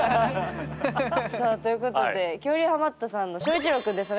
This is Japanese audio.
さあということで恐竜ハマったさんの翔一郎くんです。